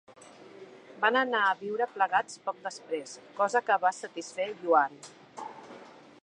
Van anar a viure plegats poc després, cosa que va satisfer Yuan.